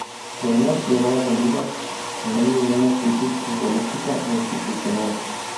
Beñat llegó al Bolívar en medio a una crisis futbolística e institucional.